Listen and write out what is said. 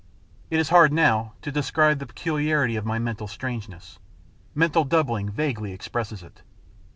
It is hard now to describe the peculiarity of my mental strangeness mental doubling vaguely expresses it.